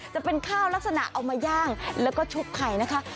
จะเป็นข้าวลักษณะเอามาย่างแล้วก็ชุบไข่นะคะ